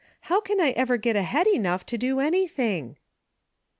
How can I ever get ahead enough to do anything